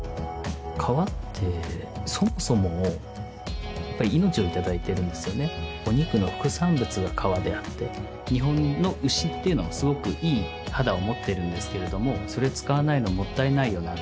革ってそもそも命をいただいてるんですよねお肉の副産物が革であって日本の牛っていうのはすごくいい肌を持ってるんですけれどもそれ使わないのもったいないよな